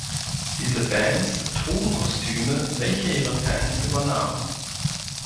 Diese Bands trugen Kostüme, welche ihre Fans übernahmen.